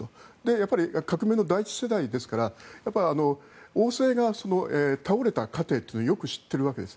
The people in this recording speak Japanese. やっぱり革命の第１世代ですから王政が倒れた過程をよく知っているわけです。